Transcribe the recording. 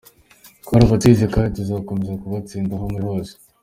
Twarabatsinze kandi tuzakomeza kubatsinda aho muri hose.